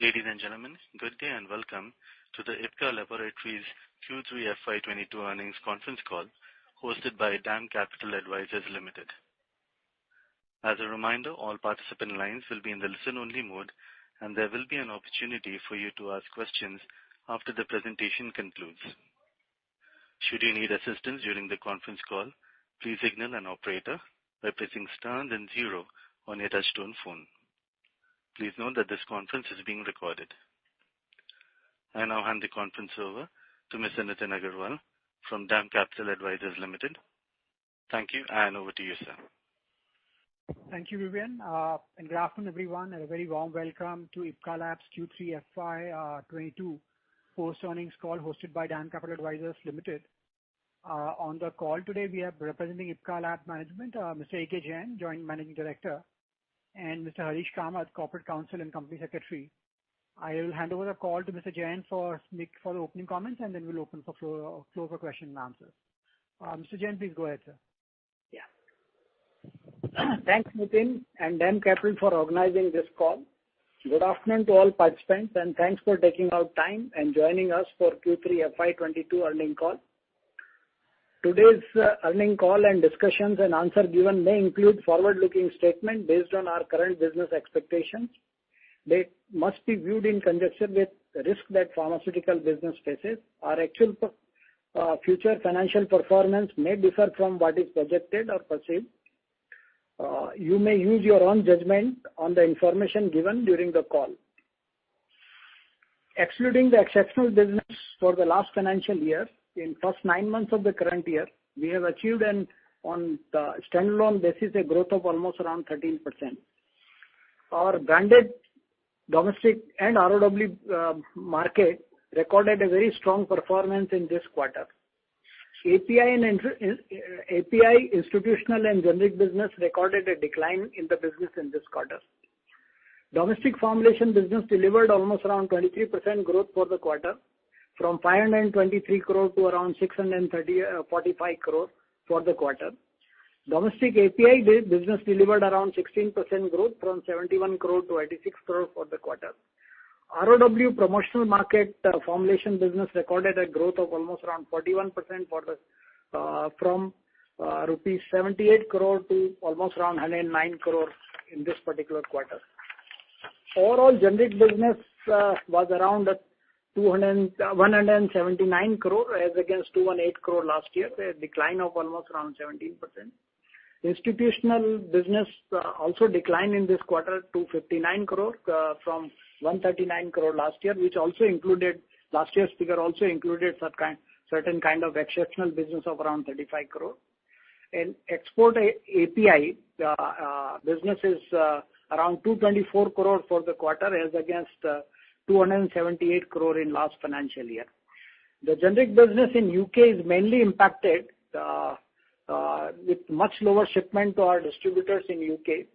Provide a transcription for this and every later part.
Ladies and gentlemen, good day and welcome to the Ipca Laboratories Q3 FY 2022 earnings conference call hosted by DAM Capital Advisors Limited. As a reminder, all participant lines will be in the listen-only mode, and there will be an opportunity for you to ask questions after the presentation concludes. Should you need assistance during the conference call, please signal an operator by pressing star then zero on your touchtone phone. Please note that this conference is being recorded. I now hand the conference over to Mr. Nitin Agarwal from DAM Capital Advisors Limited. Thank you, and over to you, sir. Thank you, Vivian. And good afternoon, everyone, and a very warm welcome to Ipca Laboratories Q3 FY 2022 post-earnings call hosted by DAM Capital Advisors Limited. On the call today we have representing Ipca Laboratories management, Mr. A. K. Jain, Joint Managing Director, and Mr. Harish Kamath, Corporate Counsel and Company Secretary. I will hand over the call to Mr. Jain for opening comments, and then we'll open the floor for questions and answers. Mr. Jain, please go ahead, sir. Yeah. Thanks, Nitin, and DAM Capital for organizing this call. Good afternoon to all participants, and thanks for taking out time and joining us for Q3 FY 2022 earnings call. Today's earnings call and discussions and answer given may include forward-looking statement based on our current business expectations. They must be viewed in conjunction with risk that pharmaceutical business faces. Our actual future financial performance may differ from what is projected or perceived. You may use your own judgment on the information given during the call. Excluding the exceptional business for the last financial year, in first nine months of the current year we have achieved, on the standalone basis, a growth of almost around 13%. Our branded domestic and ROW market recorded a very strong performance in this quarter. API, institutional, and generic business recorded a decline in the business in this quarter. Domestic formulation business delivered almost around 23% growth for the quarter from 523 crore to around 645 crore for the quarter. Domestic API business delivered around 16% growth from 71 crore to 86 crore for the quarter. ROW promotional market formulation business recorded a growth of almost around 41% from rupees 78 crore to almost around 109 crore in this particular quarter. Overall generics business was around at 179 crore as against 218 crore last year, a decline of almost around 17%. Institutional business also declined in this quarter to 59 crore from 139 crore last year, which also included. Last year's figure also included certain kind of exceptional business of around 35 crore. In export API business is around 224 crore for the quarter as against 278 crore in last financial year. The generics business in U.K. is mainly impacted with much lower shipment to our distributors in U.K.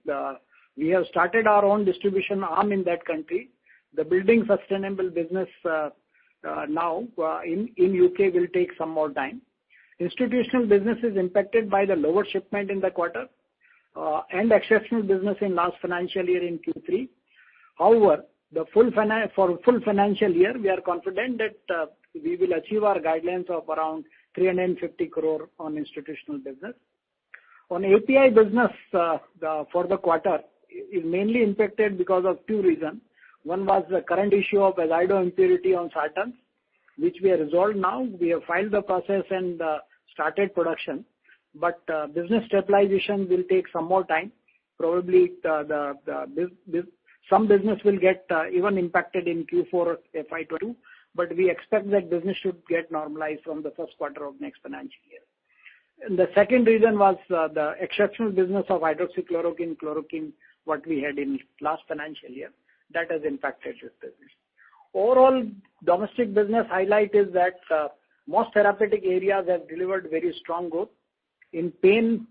We have started our own distribution arm in that country. Building sustainable business now in U.K. will take some more time. Institutional business is impacted by the lower shipment in the quarter and exceptional business in last financial year in Q3. However, for the full financial year, we are confident that we will achieve our guidelines of around 350 crore on institutional business. On API business, for the quarter is mainly impacted because of two reasons. One was the current issue of azido impurity on sartans, which we have resolved now. We have filed the process and started production. Business stabilization will take some more time. Probably some business will get even impacted in Q4 FY 2022, but we expect that business should get normalized from the first quarter of next financial year. The second reason was the exceptional business of hydroxychloroquine, chloroquine, what we had in last financial year. That has impacted this business. Overall domestic business highlight is that most therapeutic areas have delivered very strong growth. In pain,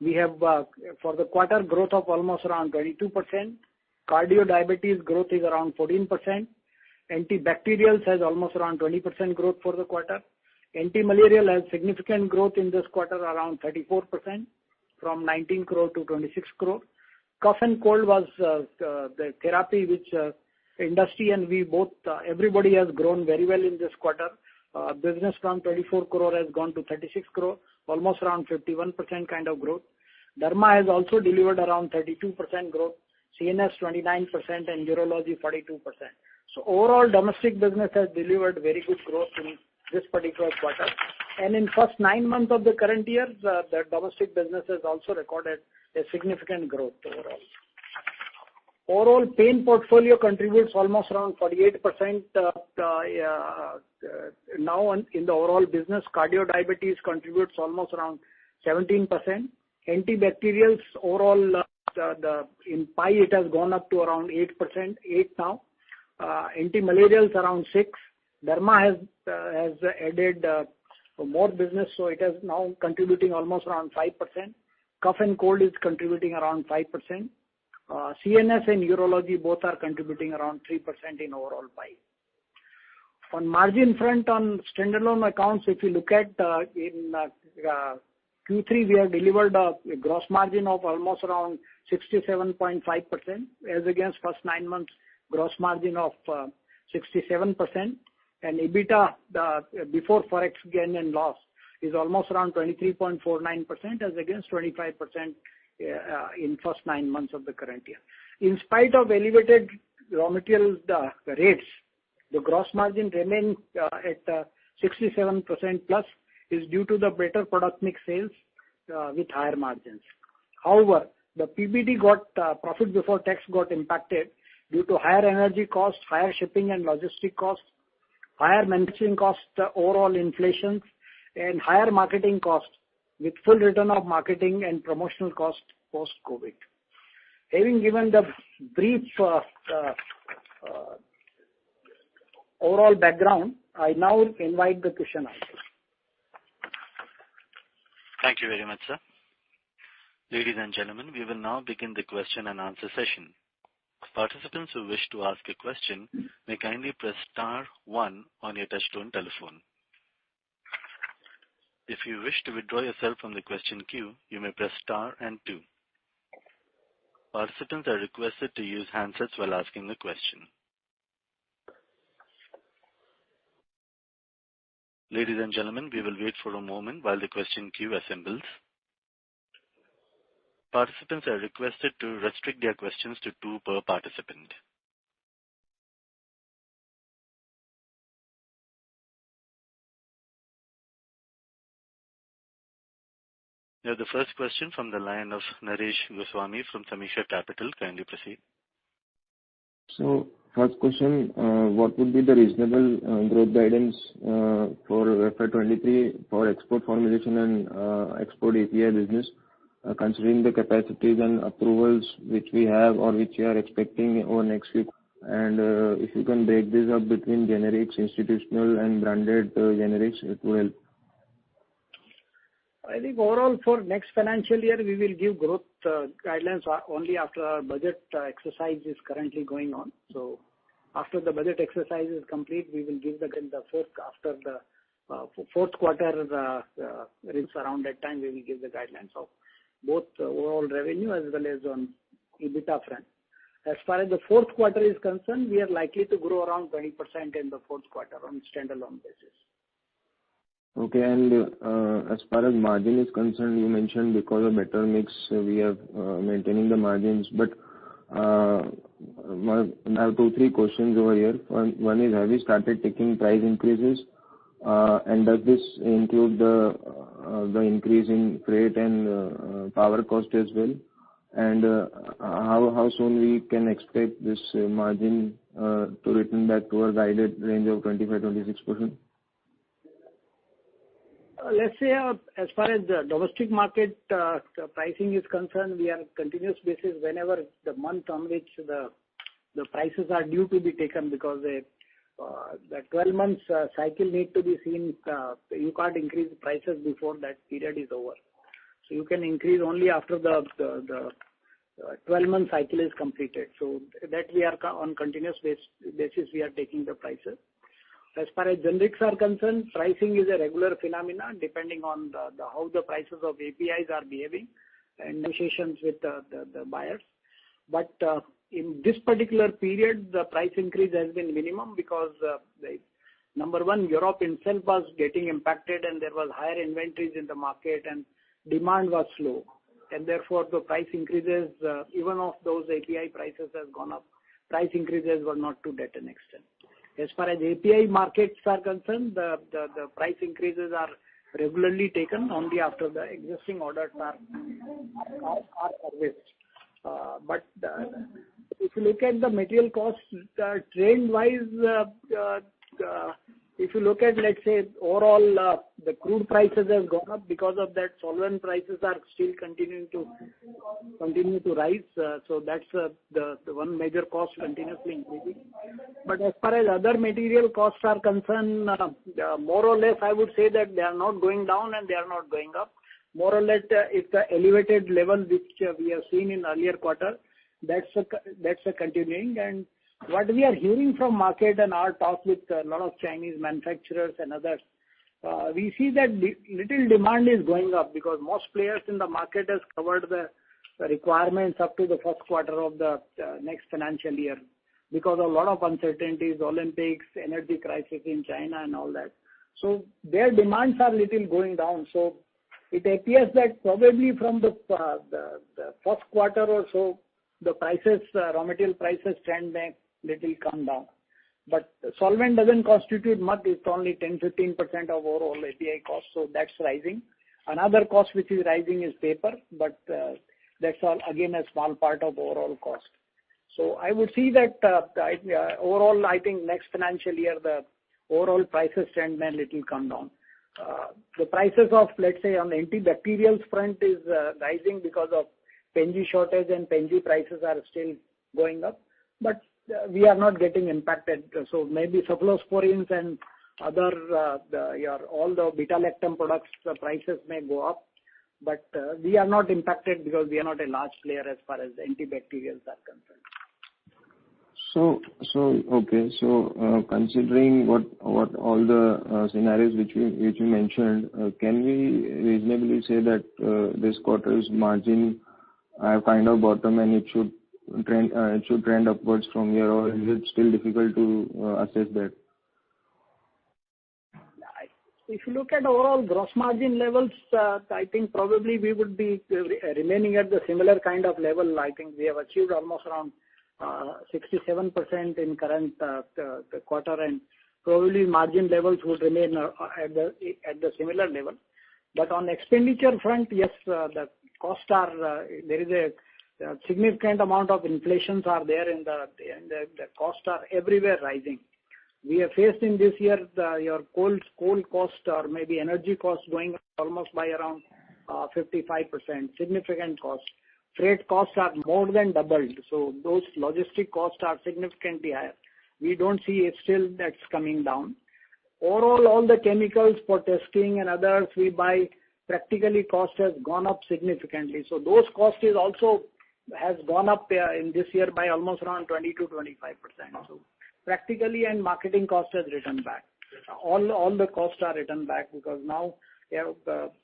we have for the quarter growth of almost around 32%. Cardio-diabetes growth is around 14%. Anti-bacterials has almost around 20% growth for the quarter. Anti-malarials has significant growth in this quarter, around 34% from 19 crore to 26 crore. Cough and cold was the therapy in which everybody has grown very well in this quarter. Business from 24 crore has gone to 36 crore, almost around 51% kind of growth. Derma has also delivered around 32% growth, CNS 29%, and urology 42%. Overall, domestic business has delivered very good growth in this particular quarter. In first nine months of the current year, the domestic business has also recorded a significant growth overall. Overall pain portfolio contributes almost around 48%. Now in the overall business, cardio-diabetes contributes almost around 17%. Anti-bacterials overall, in the pie it has gone up to around 8% now. Anti-malarials around 6%. Derma has added more business, so it is now contributing almost around 5%. Cough and cold is contributing around 5%. CNS and urology both are contributing around 3% in the overall pie. On margin front on standalone accounts, if you look at, in Q3 we have delivered a gross margin of almost around 67.5% as against first nine months gross margin of 67%. EBITDA before Forex gain and loss is almost around 23.49% as against 25% in first nine months of the current year. In spite of elevated raw materials rates, the gross margin remained at 67% plus, is due to the better product mix sales with higher margins. However, the PBT, profit before tax, got impacted due to higher energy costs, higher shipping and logistic costs, higher maintenance costs, the overall inflation and higher marketing costs with full return of marketing and promotional costs post-COVID. Having given the brief overall background, I now invite the question-answer. Thank you very much, sir. Ladies and gentlemen, we will now begin the question-and-answer session. Participants who wish to ask a question may kindly press star one on your touch-tone telephone. If you wish to withdraw yourself from the question queue you may press star and two. Participants are requested to use handsets while asking the question. Ladies and gentlemen, we will wait for a moment while the question queue assembles. Participants are requested to restrict their questions to two per participant. Now the first question from the line of Naresh Goswami from Sameeksha Capital. Kindly proceed. First question, what would be the reasonable growth guidance for FY 2023 for export formulation and export API business, considering the capacities and approvals which we have or which you are expecting over next week? If you can break this up between generics, institutional and branded generics, it will help. I think overall for next financial year we will give growth guidelines only after our budget exercise is currently going on. After the budget exercise is complete we will give growth guidelines after the fourth quarter results around that time we will give the guidelines of both overall revenue as well as on EBITDA front. As far as the fourth quarter is concerned, we are likely to grow around 20% in the fourth quarter on a standalone basis. Okay. As far as margin is concerned, you mentioned because of better mix we are maintaining the margins. I have two, three questions over here. One is have you started taking price increases? Does this include the increase in freight and power cost as well? How soon we can expect this margin to return back to our guided range of 25%-26%? Let's say, as far as the domestic market pricing is concerned, we are on continuous basis. Whenever the month on which the prices are due to be taken because the 12-month cycle needs to be seen. You can't increase prices before that period is over. You can increase only after the 12-month cycle is completed. That we are on continuous basis, we are taking the prices. As far as generics are concerned, pricing is a regular phenomenon depending on how the prices of APIs are behaving and negotiations with the buyers. In this particular period, the price increase has been minimum because the number one, Europe, itself was getting impacted and there was higher inventories in the market and demand was slow and therefore the price increases even of those API prices has gone up. Price increases were not to that extent. As far as API markets are concerned, the price increases are regularly taken only after the existing orders are released. If you look at the material costs trend wise, if you look at let's say overall, the crude prices have gone up because of that solvent prices are still continuing to rise. So that's the one major cost continuously increasing. As far as other material costs are concerned, more or less I would say that they are not going down and they are not going up. More or less, it's an elevated level which we have seen in earlier quarter; that's continuing. What we are hearing from market and our talk with a lot of Chinese manufacturers and others, we see that little demand is going up because most players in the market has covered the requirements up to the first quarter of the next financial year because a lot of uncertainties, Olympics, energy crisis in China and all that. Their demands are little going down. It appears that probably from the first quarter or so the prices, raw material prices trend may little come down. Solvent doesn't constitute much, it's only 10%-15% of overall API cost, so that's rising. Another cost which is rising is paper, but that's all again a small part of overall cost. I would see that overall I think next financial year, the overall prices trend may little come down. The prices of let's say on antibacterial front is rising because of Penicillin G shortage and Penicillin G prices are still going up, but we are not getting impacted. Maybe cephalosporins and other all the beta-lactam products prices may go up. But we are not impacted because we are not a large player as far as the anti-bacterials are concerned. Okay. Considering what all the scenarios which you mentioned, can we reasonably say that this quarter's margin have kind of bottomed and it should trend upwards from here, or is it still difficult to assess that? If you look at overall gross margin levels, I think probably we would be remaining at the similar kind of level. I think we have achieved almost around 67% in current quarter, and probably margin levels would remain at the similar level. On expenditure front, yes, there is a significant amount of inflation there, and the costs are everywhere rising. We are facing this year the coal costs or maybe energy costs going up almost by around 55%, significant cost. Freight costs have more than doubled, so those logistic costs are significantly higher. We don't see it still coming down. Overall, all the chemicals for testing and other we buy, practically every cost has gone up significantly. Those costs also has gone up in this year by almost around 20%-25%. Practically, marketing cost has returned back. All the costs are returned back because now we have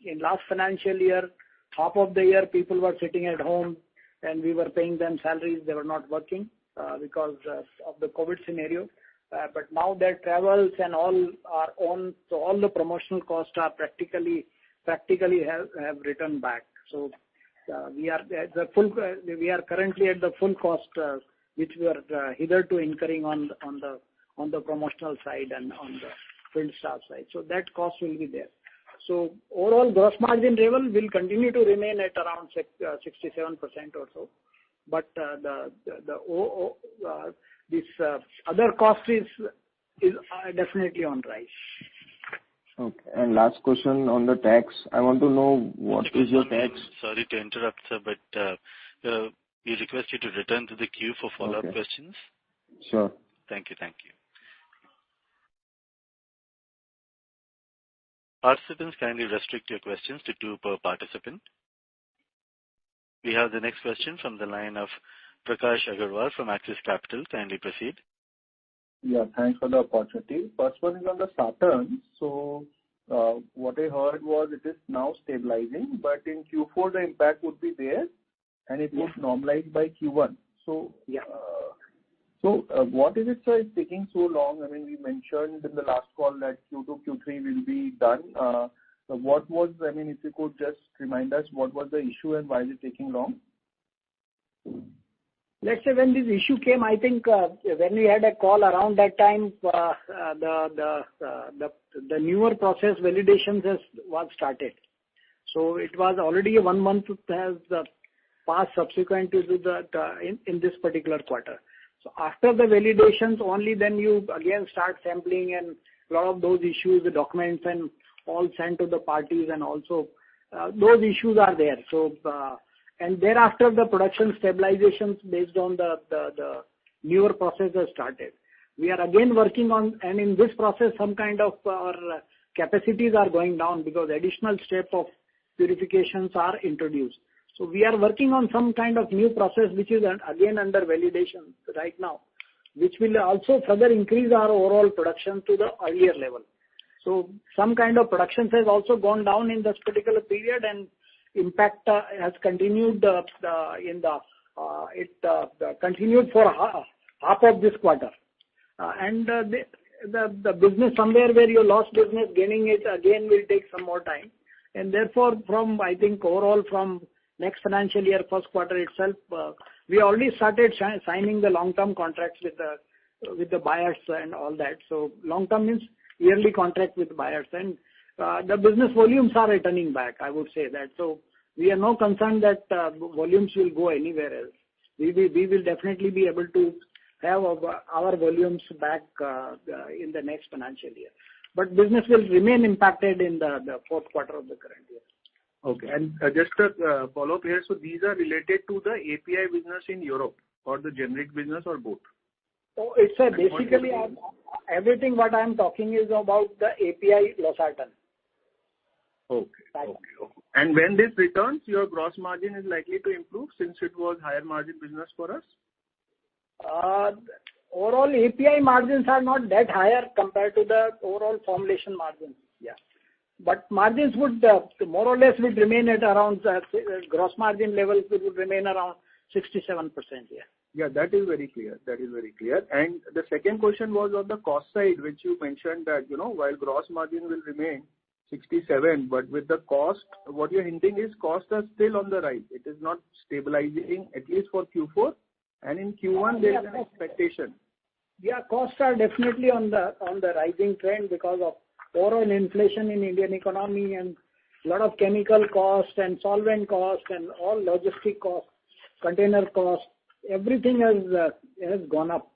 in last financial year, half of the year, people were sitting at home and we were paying them salaries. They were not working because of the COVID scenario. Now their travels and all are on, so all the promotional costs practically have returned back. We are currently at the full cost, which we are hitherto incurring on the promotional side and on the field staff side. That cost will be there. Overall, gross margin level will continue to remain at around 67% or so. The other cost is definitely on the rise. Okay. Last question on the tax. I want to know what is your tax— Sorry to interrupt, sir, but we request you to return to the queue for follow-up questions. Sure. Thank you. Thank you. Participants, kindly restrict your questions to two per participant. We have the next question from the line of Prakash Agarwal from Axis Capital. Kindly proceed. Yeah, thanks for the opportunity. First one is on the sartan. What I heard was it is now stabilizing, but in Q4 the impact would be there and it would normalize by Q1. Yeah. What is it, sir, it's taking so long? I mean, you mentioned in the last call that Q2, Q3 will be done. I mean, if you could just remind us what was the issue and why is it taking long? Let's say when this issue came, I think, when we had a call around that time, the newer process validations has got started. It was already one month passed subsequently with that, in this particular quarter. After the validations only then you again start sampling and lot of those issues, the documents and all sent to the parties and also, those issues are there. Thereafter the production stabilizations based on the newer process has started. We are again, working on, and in this process some kind of our capacities are going down because additional steps of purifications are introduced. We are working on some kind of new process which is again under validation right now, which will also further increase our overall production to the earlier level. Some kind of productions has also gone down in this particular period, and impact has continued in it for half of this quarter. The business, somewhere where you lost business, gaining it again will take some more time. Therefore, from, I think, overall from next financial year first quarter itself, we already started signing the long-term contracts with the buyers and all that. Long-term means yearly contract with buyers. The business volumes are returning back, I would say that. We are not concerned that volumes will go anywhere else. We will definitely be able to have our volumes back in the next financial year. Business will remain impacted in the fourth quarter of the current year. Okay. Just a follow-up here. These are related to the API business in Europe or the generics business or both? It's basically everything what I'm talking is about the API losartan. Okay. Okay. When this returns, your gross margin is likely to improve since it was higher margin business for us? Overall API margins are not that higher compared to the overall formulation margin. Margins would more or less will remain at around the gross margin levels it would remain around 67%. Yeah, that is very clear. The second question was on the cost side, which you mentioned that, you know, while gross margin will remain 67%, but with the cost, what you're hinting is costs are still on the rise. It is not stabilizing at least for Q4, and in Q1 there is an expectation. Yeah, costs are definitely on the rising trend because of overall inflation in Indian economy and lot of chemical costs and solvent costs and all logistic costs, container costs, everything has gone up.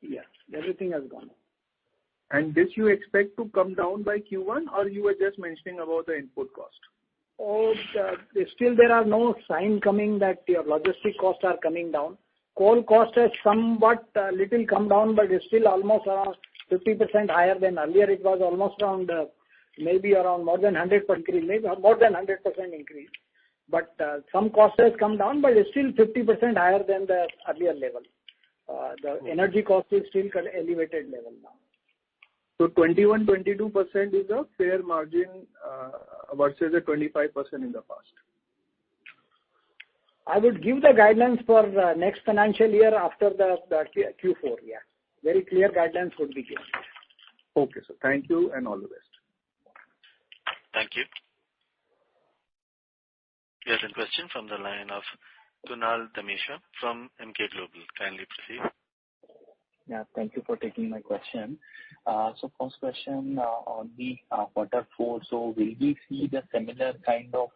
Yes, everything has gone up. This you expect to come down by Q1, or you were just mentioning about the input cost? Still there are no signs coming that your logistics costs are coming down. Coal cost has somewhat a little come down, but it's still almost around 50% higher than earlier. It was almost around, maybe around more than 100%, maybe more than 100% increase. Some cost has come down, but it's still 50% higher than the earlier level. The energy cost is still kind of elevated now. So 21%-22% is a fair margin versus 25% in the past? I would give the guidance for the next financial year after the Q4, yeah. Very clear guidance would be given. Okay, sir. Thank you, and all the best. Thank you. We have a question from the line of Kunal Dhamesha from Emkay Global. Kindly proceed. Yeah, thank you for taking my question. First question, on the quarter four. Will we see the similar kind of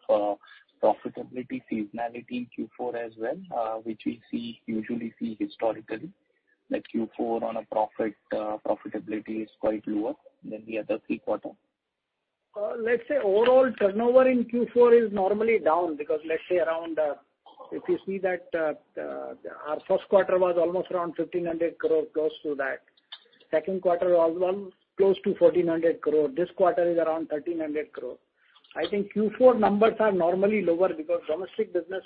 profitability seasonality in Q4 as well, which we usually see historically, like Q4 on profitability is quite lower than the other three quarters? Let's say overall turnover in Q4 is normally down because let's say around if you see that our first quarter was almost around 1,500 crore, close to that. Second quarter was close to 1,400 crore. This quarter is around 1,300 crore. I think Q4 numbers are normally lower because domestic business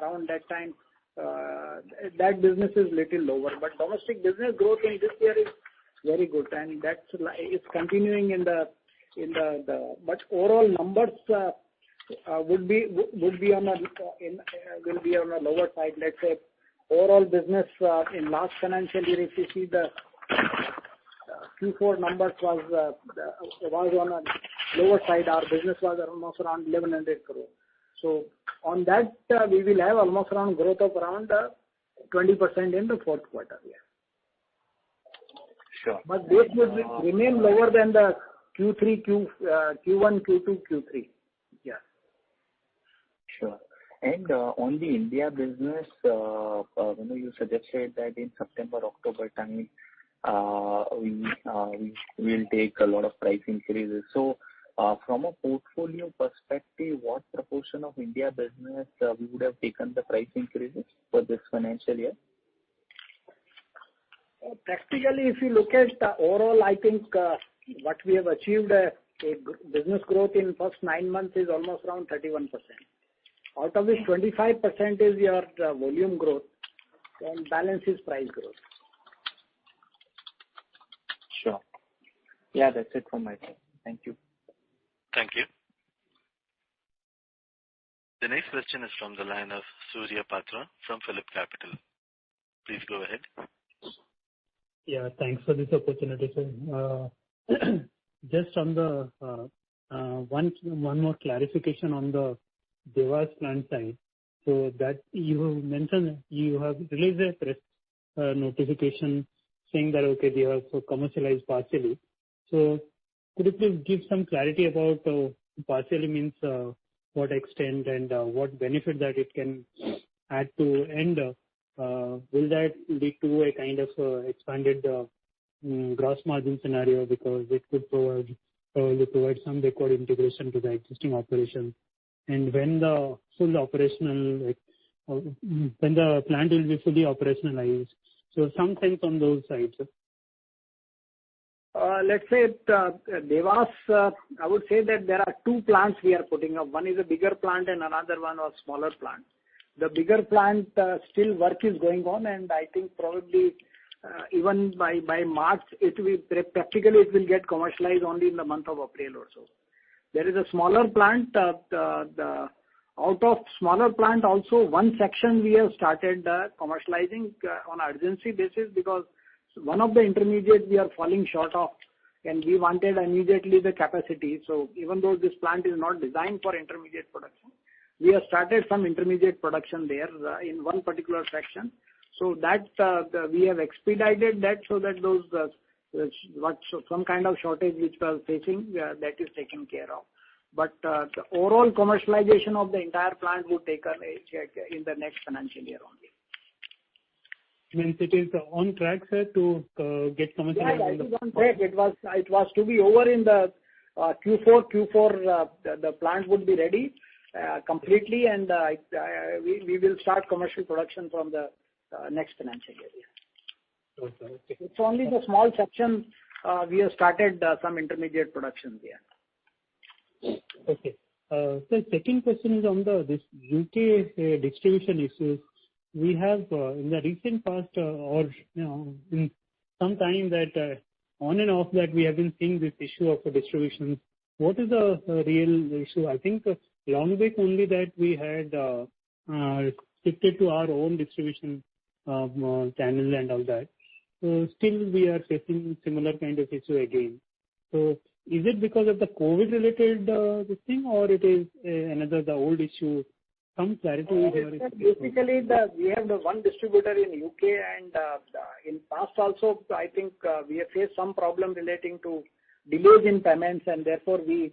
around that time is little lower. Domestic business growth in this year is very good, and that's continuing in the. Overall numbers would be on a lower side. Let's say overall business in last financial year if you see the Q4 numbers was on a lower side. Our business was almost around 1,100 crore. On that, we will have almost around growth of around 20% in the fourth quarter, yeah. Sure. This will be remain lower than the Q1, Q2, Q3. Yeah. Sure. On the India business, when you suggested that in September, October timing, we'll take a lot of price increases. From a portfolio perspective, what proportion of India business we would have taken the price increases for this financial year? Practically, if you look at the overall, I think, what we have achieved, business growth in first nine months is almost around 31%. Out of this, 25% is your volume growth, and balance is price growth. Sure. Yeah, that's it from my side. Thank you. Thank you. The next question is from the line of Surya Patra from PhillipCapital. Please go ahead. Yeah, thanks for this opportunity, sir. Just on the one more clarification on the Dewas plant side. That you mentioned you have released a press notification saying that, okay, you have commercialized partially. Could you please give some clarity about partially means what extent and what benefit that it can add to? Will that lead to a kind of expanded gross margin scenario because it could provide some record integration to the existing operation? When the plant will be fully operationalized? Some sense on those sides. Let's say at Dewas, I would say that there are two plants we are putting up. One is a bigger plant and another one was smaller plant. The bigger plant, still work is going on, and I think probably even by March, it will practically get commercialized only in the month of April or so. There is a smaller plant. The smaller plant also, one section we have started commercializing on urgency basis because one of the intermediate we are falling short of, and we wanted immediately the capacity. Even though this plant is not designed for intermediate production, we have started some intermediate production there in one particular section. We have expedited that so that the shortage which we are facing is taken care of. The overall commercialization of the entire plant would take in the next financial year only. Means it is on track, sir, to get commercialized? Yeah. It's on track. It was to be over in the Q4. The plant would be ready completely and we will start commercial production from the next financial year, yeah. Okay. Okay. It's only the small section, we have started some intermediate production there. Okay. Sir, second question is on this U.K. distribution issues. We have in the recent past, you know, in some time that on and off that we have been seeing this issue of distribution. What is the real issue? I think [a long way] only that we had shifted to our own distribution channel and all that. Still we are facing similar kind of issue again. Is it because of the COVID related this thing, or it is another, the old issue? Some clarity there would be appreciated. Basically, we have one distributor in U.K. and in past also, I think, we have faced some problem relating to delays in payments and therefore we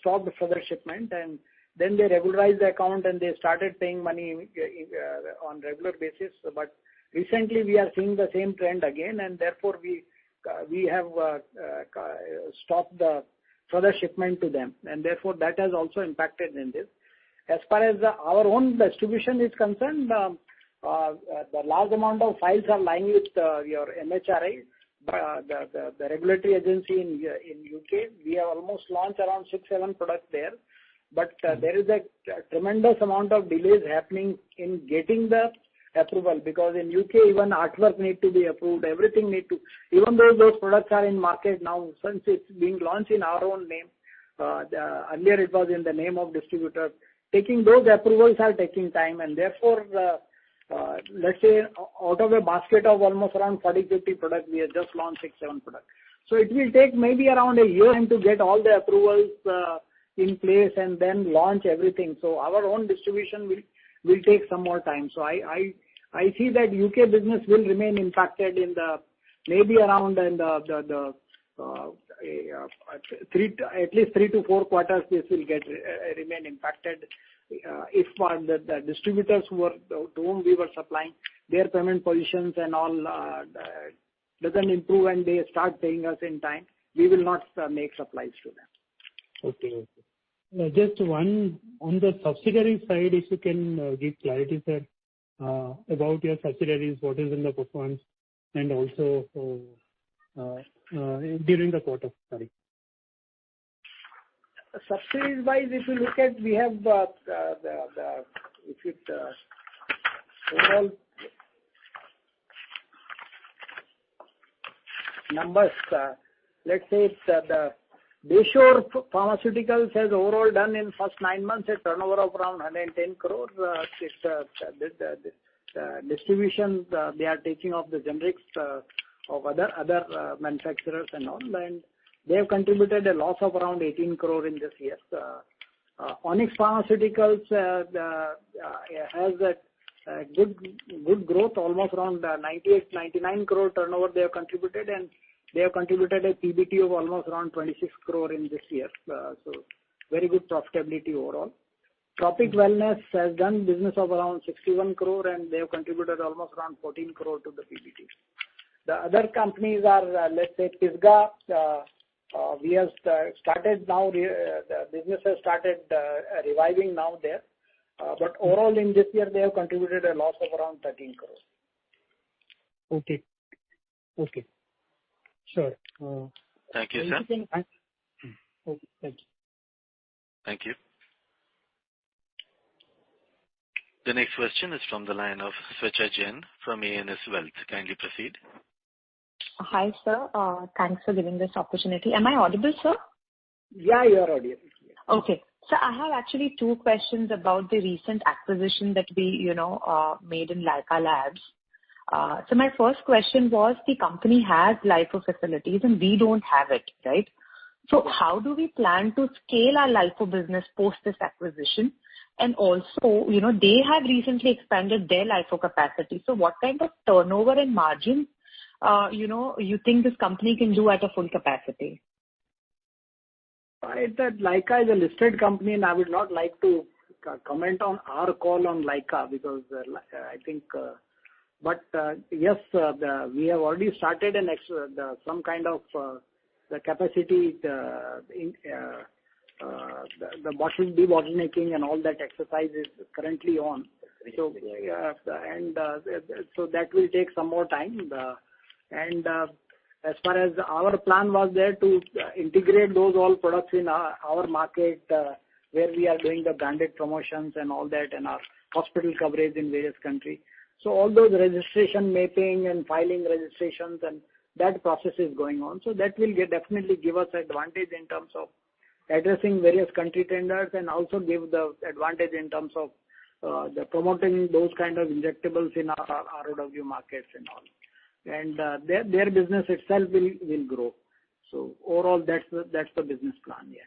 stop the further shipment. Then they regularized the account and they started paying money in on regular basis. Recently we are seeing the same trend again and therefore we have stopped the further shipment to them, and therefore that has also impacted in this. As far as our own distribution is concerned, the large amount of files are lying with your MHRA, the regulatory agency in U.K. We have almost launched around six, seven products there. There is a tremendous amount of delays happening in getting the approval because in U.K., even artwork needs to be approved, everything needs to. Even though those products are in market now, since it's being launched in our own name. Earlier it was in the name of distributor. Taking those approvals are taking time, and therefore, let's say out of a basket of almost around 40-50 products, we have just launched six-seven products. It will take maybe around a year and to get all the approvals in place and then launch everything. Our own distribution will take some more time. I see that U.K. business will remain impacted in the maybe around three to four quarters. At least three to four quarters this will remain impacted. If for the distributors to whom we were supplying their payment positions and all doesn't improve and they start paying us in time, we will not make supplies to them. On the subsidiary side, if you can give clarity, sir, about your subsidiaries, what is the performance and also during the quarter? Sorry. Subsidiaries-wise, if you look at we have, overall numbers, let's say Bayshore Pharmaceuticals has overall done in first nine months a turnover of around 110 crore. It's the distribution they are taking of the generics of other manufacturers and all, and they have contributed a loss of around 18 crore in this year. Onyx Scientific has a good growth, almost around 98 crore-99 crore turnover they have contributed, and they have contributed a PBT of almost around 26 crore in this year. So very good profitability overall. Trophic Wellness has done business of around 61 crore, and they have contributed almost around 14 crore to the PBT. The other companies are, let's say, Pisgah, we have started now. The business has started reviving now there. Overall in this year, they have contributed a loss of around 13 crore. Okay. Sure. Thank you, sir. Okay. Thank you. Thank you. The next question is from the line of Swechha Jain from ANS Wealth. Kindly proceed. Hi, sir. Thanks for giving this opportunity. Am I audible, sir? Yeah, you are audible. Okay. I have actually two questions about the recent acquisition that we, you know, made in Lyka Labs. My first question was the company has lyoph facilities and we don't have it, right? How do we plan to scale our lyoph business post this acquisition? And also, you know, they have recently expanded their lyoph capacity. What kind of turnover and margin, you know, you think this company can do at a full capacity? That Lyka is a listed company and I would not like to comment on our call on Lyka because I think—yes, we have already started an expansion, some kind of capacity in the bottling debottlenecking and all that exercise is currently on. That will take some more time. As far as our plan was there to integrate those all products in our market where we are doing the branded promotions and all that in our hospital coverage in various country. All those registration mapping and filing registrations and that process is going on. That will definitely give us advantage in terms of addressing various country tenders and also give the advantage in terms of promoting those kind of injectables in our ROW markets and all. Their business itself will grow. Overall that's the business plan. Yeah.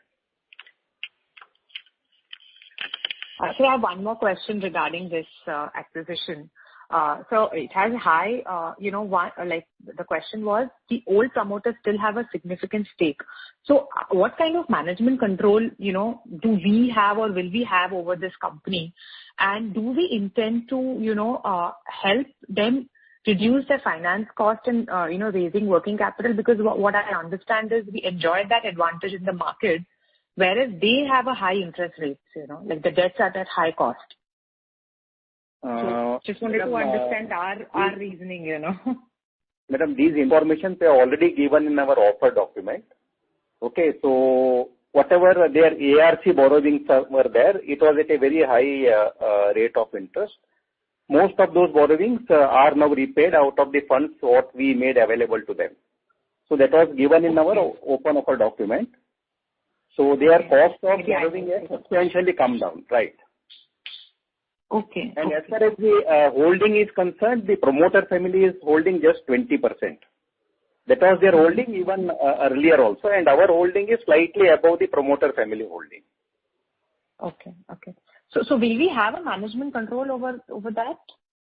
I still have one more question regarding this acquisition. It has high, you know, like the question was the old promoters still have a significant stake. What kind of management control, you know, do we have or will we have over this company? Do we intend to, you know, help them reduce their finance cost and, you know, raising working capital? Because what I understand is we enjoyed that advantage in the market, whereas they have a high interest rates, you know. Like the debts are at high cost. Just wanted to understand our reasoning, you know. Madam, this information was already given in our offer document. Okay, whatever their ARC borrowings are, were there, it was at a very high rate of interest. Most of those borrowings are now repaid out of the funds that we made available to them. That was given in our open offer document. Their cost of borrowing has substantially come down. Right. Okay. Okay. As far as the holding is concerned, the promoter family is holding just 20%. That was their holding even earlier also, and our holding is slightly above the promoter family holding. Okay. Will we have a management control over that?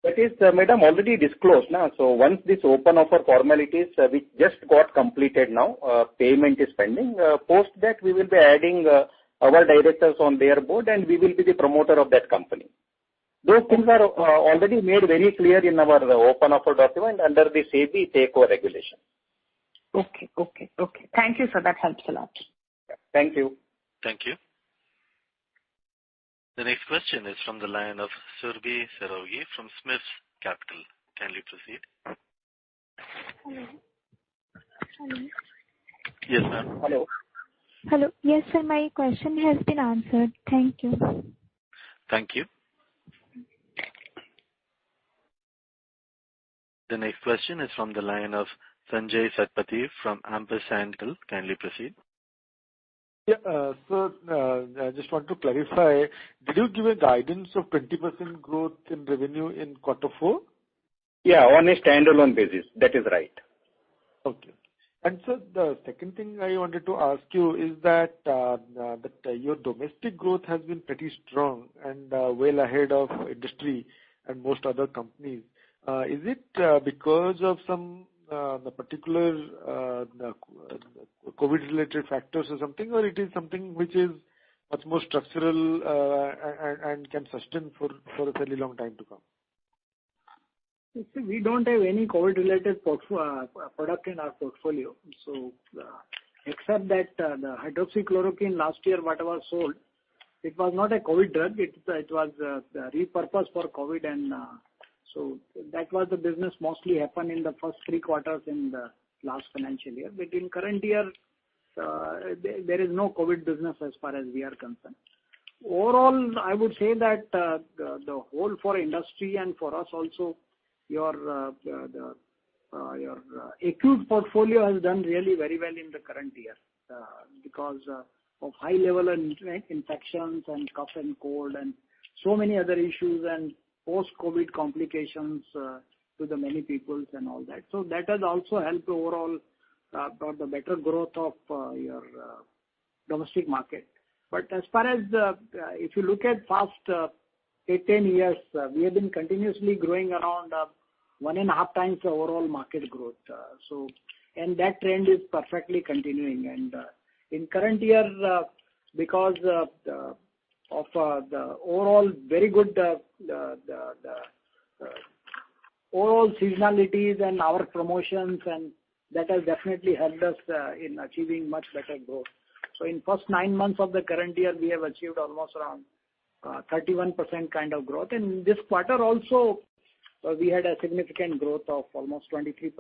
That is, madam, already disclosed na. Once this open offer formalities, which just got completed now, payment is pending. Post that, we will be adding our directors on their board, and we will be the promoter of that company. Those things are already made very clear in our open offer document under the SEBI takeover regulation. Okay. Thank you, sir. That helps a lot. Thank you. Thank you. The next question is from the line of Surabhi Saraogi from SMIFS Capital. Kindly proceed. Hello. Hello. Yes, ma'am. Hello. Hello. Yes, sir. My question has been answered. Thank you. Thank you. The next question is from the line of Sanjaya Satapathy from Ampersand Capital. Kindly proceed. I just want to clarify, did you give a guidance of 20% growth in revenue in quarter four? Yeah, on a standalone basis. That is right. Okay. Sir, the second thing I wanted to ask you is that your domestic growth has been pretty strong and well ahead of industry and most other companies. Is it because of some particular COVID-related factors or something, or it is something which is much more structural and can sustain for a fairly long time to come? We don't have any COVID-related product in our portfolio. Except that the hydroxychloroquine last year, what was sold, it was not a COVID drug. It was repurposed for COVID and so that was the business mostly happened in the first three quarters in the last financial year. In current year, there is no COVID business as far as we are concerned. Overall, I would say that the whole for industry and for us also, your acute portfolio has done really very well in the current year because of high level infections and cough and cold and so many other issues and post-COVID complications to the many peoples and all that. That has also helped overall for the better growth of your domestic market. As far as if you look at past eight to 10 years, we have been continuously growing around 1.5x the overall market growth. That trend is perfectly continuing. In current year, because of the overall very good seasonalities and our promotions, that has definitely helped us in achieving much better growth. In first nine months of the current year, we have achieved almost around 31% kind of growth. In this quarter also, we had a significant growth of almost 23%.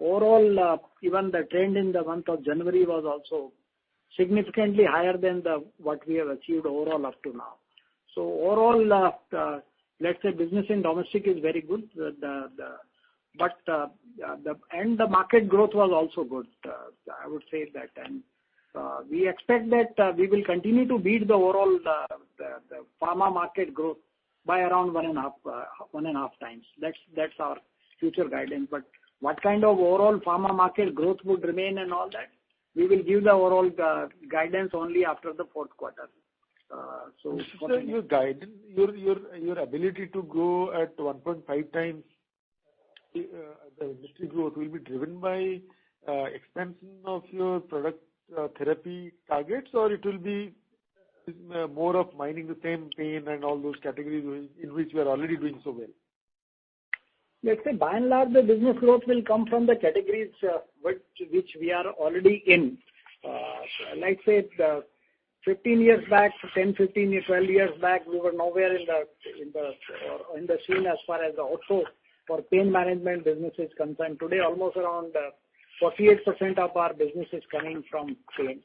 Overall, even the trend in the month of January was also significantly higher than what we have achieved overall up to now. Overall, let's say business in domestic is very good. The market growth was also good, I would say that. We expect that we will continue to beat the overall pharma market growth by around 1.5x. That's our future guidance. What kind of overall pharma market growth would remain and all that, we will give the overall guidance only after the fourth quarter. Sir, your guidance, your ability to grow at 1.5x the industry growth will be driven by expansion of your product therapy targets, or it will be more of mining the same pain and all those categories in which you are already doing so well? Let's say by and large, the business growth will come from the categories which we are already in. Like, say, 15 years back, 12 years back, we were nowhere in the scene as far as the ortho for pain management business is concerned. Today almost around 48% of our business is coming from pain.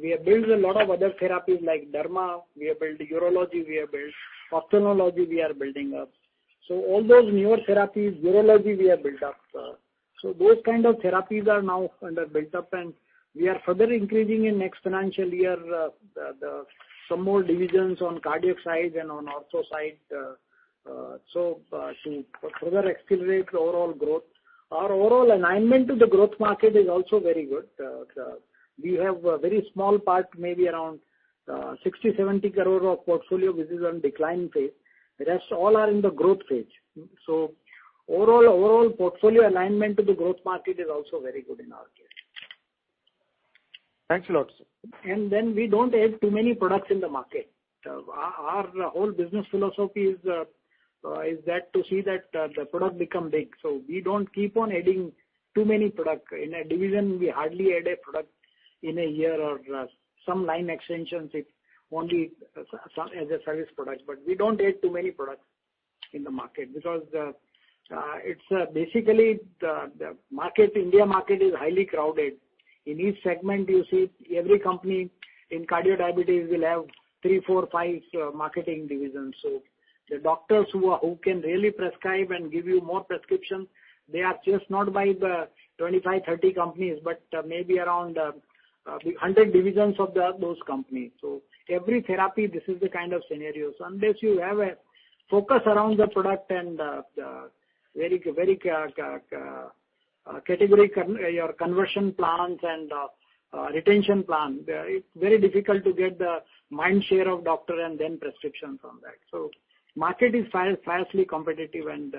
We have built a lot of other therapies like derma, we have built urology, we have built ophthalmology we are building up. All those newer therapies, urology we have built up. Those kind of therapies are now under built up and we are further increasing in next financial year, the some more divisions on cardiac side and on ortho side, to further accelerate the overall growth. Our overall alignment to the growth market is also very good. We have a very small part, maybe around 60 crore-70 crore of portfolio which is on decline phase. The rest all are in the growth phase. Overall portfolio alignment to the growth market is also very good in our case. Thanks a lot, sir. We don't add too many products in the market. Our whole business philosophy is that to see that the product become big. We don't keep on adding too many product. In a division, we hardly add a product in a year or some line extensions if only as a service product. We don't add too many products in the market because it's basically the market, India market is highly crowded. In each segment you see every company in cardio-diabetes will have three, four, five marketing divisions. The doctors who can really prescribe and give you more prescriptions, they are chased not by the 25-30 companies, but maybe around 100 divisions of those companies. Every therapy, this is the kind of scenario. Unless you have a focus around the product and the very category conversion plans and retention plan, it's very difficult to get the mindshare of doctor and then prescription from that. Market is fiercely competitive and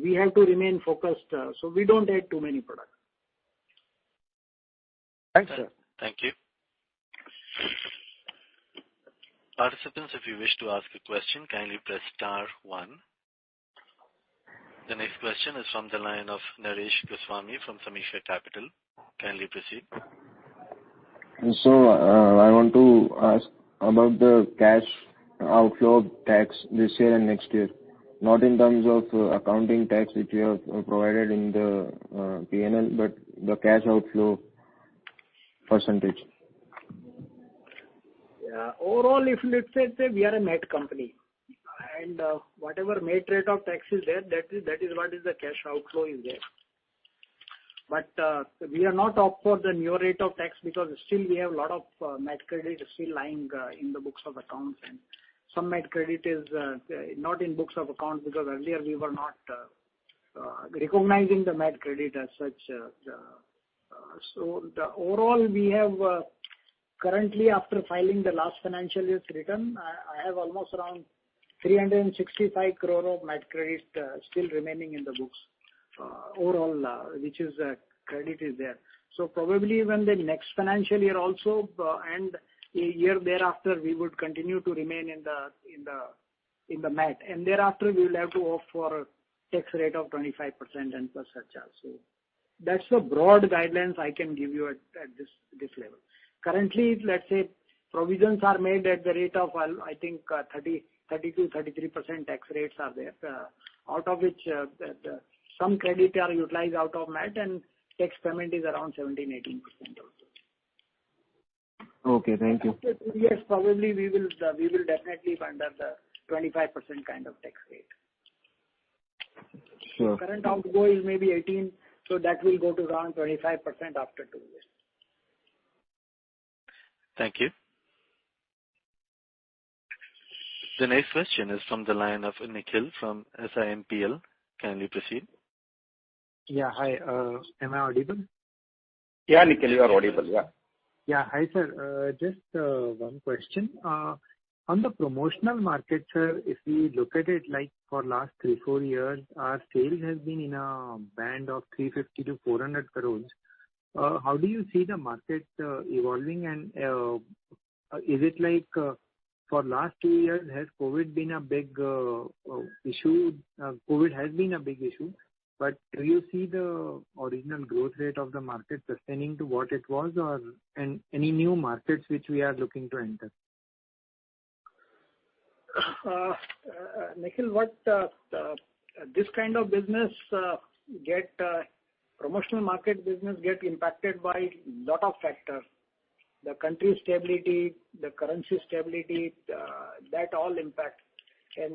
we have to remain focused, so we don't add too many products. Thanks, sir. Thank you. Participants, if you wish to ask a question, kindly press star one. The next question is from the line of Naresh Goswami from Sameeksha Capital. Kindly proceed. I want to ask about the cash outflow tax this year and next year, not in terms of accounting tax which you have provided in the P&L, but the cash outflow percentage. Yeah. Overall, if let's say we are a MAT company, and whatever MAT rate of tax is there, that is what is the cash outflow is there. But we are not up for the new rate of tax because still we have a lot of MAT credit still lying in the books of accounts, and some MAT credit is not in books of accounts because earlier we were not recognizing the MAT credit as such. So overall we have currently after filing the last financial year's return, I have almost around 365 crore of MAT credit still remaining in the books overall; credit is there. Probably even the next financial year also, and a year thereafter, we would continue to remain in the MAT, and thereafter we will have to opt for tax rate of 25% and plus surcharge. That's the broad guidelines I can give you at this level. Currently, let's say provisions are made at the rate of I think 32%-33% tax rates are there, out of which some credit are utilized out of MAT and tax payment is around 17%-18% also. Okay. Thank you. Yes, probably we will definitely be under the 25% kind of tax rate. Sure. Current outflow is maybe 18%, so that will go to around 25% after two years. Thank you. The next question is from the line of Nikhil from SIMPL. Kindly proceed. Yeah. Hi, am I audible? Yeah, Nikhil, you are audible. Yeah. Yeah. Hi, sir. Just one question. On the promotional market, sir, if we look at it like for last three to four years, our sales has been in a band of 350 crore-400 crore. How do you see the market evolving? Is it like for last two years, has COVID been a big issue? COVID has been a big issue, but do you see the original growth rate of the market sustaining to what it was or any new markets which we are looking to enter? Nikhil, in this kind of business, promotional market business gets impacted by a lot of factors, the country stability, the currency stability, that all impact.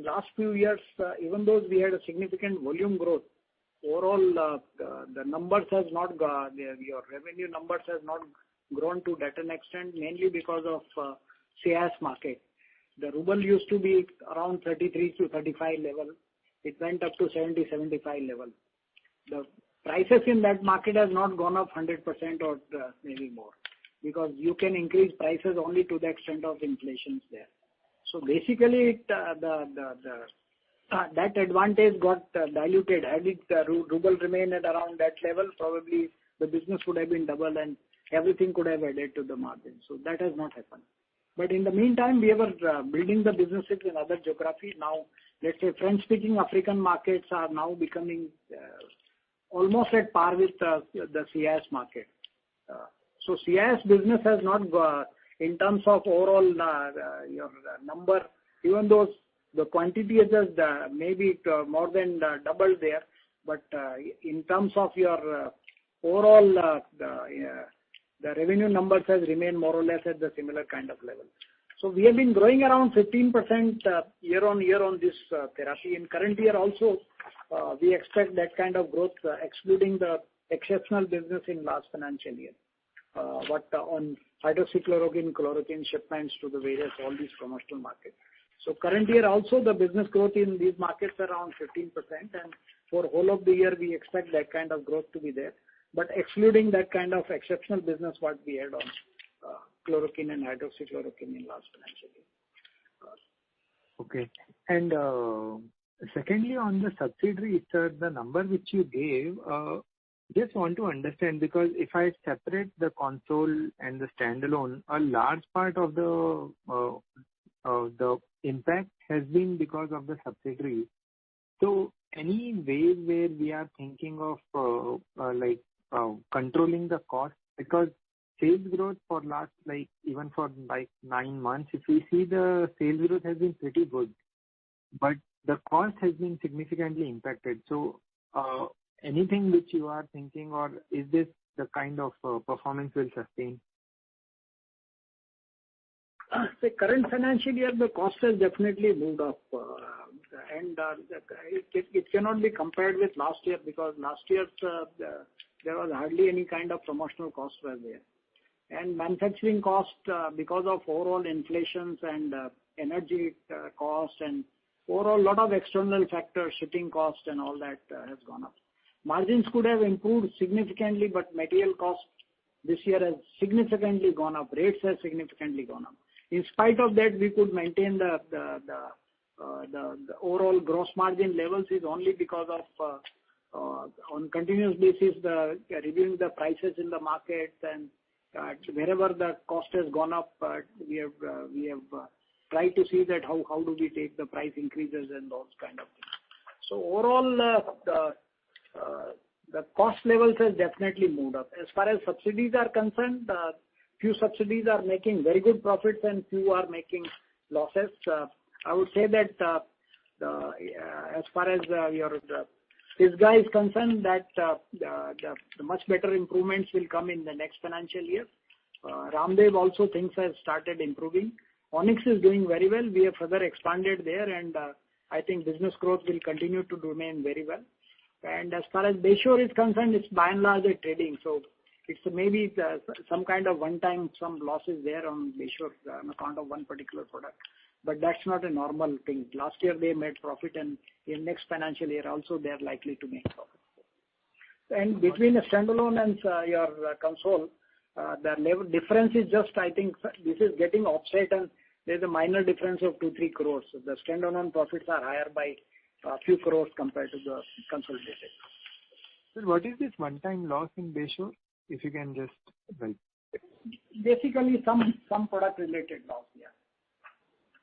Last few years, even though we had a significant volume growth, overall, our revenue numbers has not grown to that extent, mainly because of CIS market. The ruble used to be around 33-35 level. It went up to 70-75 level. The prices in that market has not gone up 100% or maybe more, because you can increase prices only to the extent of inflation there. Basically, that advantage got diluted. Had the ruble remained at around that level, probably the business would have been double and everything could have added to the margin. That has not happened. In the meantime, we were building the businesses in other geographies. Now, let's say, French-speaking African markets are now becoming almost at par with the CIS market. CIS business has not, in terms of overall, your number, even though the quantity is just maybe more than double there, but, in terms of your overall, the revenue numbers has remained more or less at the similar kind of level. We have been growing around 15% year-on-year on this therapy. In current year also, we expect that kind of growth, excluding the exceptional business in last financial year, but on hydroxychloroquine, chloroquine shipments to the various all these commercial markets. Current year also, the business growth in these markets are around 15%. For whole of the year we expect that kind of growth to be there. Excluding that kind of exceptional business what we had on, chloroquine and hydroxychloroquine in last financial year. Okay. Secondly, on the subsidiary, sir, the number which you gave, I just want to understand because if I separate the consolidated and the standalone, a large part of the impact has been because of the subsidiary. Anyway, where we are thinking of, like, controlling the cost because sales growth for last like even for like nine months, if we see the sales growth has been pretty good, but the cost has been significantly impacted. Anything which you are thinking or will this kind of performance sustain? The current financial year, the cost has definitely moved up. It cannot be compared with last year because last year, there was hardly any kind of promotional costs were there. Manufacturing cost, because of overall inflation and, energy cost and overall lot of external factors, shipping costs and all that, has gone up. Margins could have improved significantly, but material costs this year has significantly gone up. Rates has significantly gone up. In spite of that, we could maintain the overall gross margin levels is only because of, on continuous basis, the reviewing the prices in the market and, wherever the cost has gone up, we have tried to see that how do we take the price increases and those kind of things. Overall, the cost levels has definitely moved up. As far as subsidiaries are concerned, few subsidiaries are making very good profits and few are making losses. I would say that as far as your this guy is concerned, that the much better improvements will come in the next financial year. Ramdev also things have started improving. Onyx is doing very well. We have further expanded there, and I think business growth will continue to remain very well. As far as Bayshore is concerned, it's by and large a trading, so it's maybe some kind of one-time losses there on Bayshore on account of one particular product, but that's not a normal thing. Last year they made profit and in next financial year also they are likely to make profit. Between the stand-alone and consolidated, the level difference is just I think this is getting offset and there's a minor difference of 2 crores-3 crores. The stand-alone profits are higher by INR a few crores compared to the consolidated. Sir, what is this one-time loss in Bayshore, if you can just like? Basically some product-related loss, yeah.